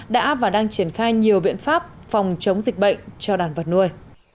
đã và đang triển khai nhiều biện pháp phòng chống dịch bệnh cho đàn vật nuôi